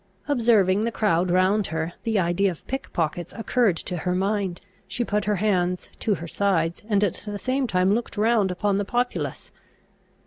Observing the crowd round her, the idea of pickpockets occurred to her mind; she put her hands to her sides, and at the same time looked round upon the populace.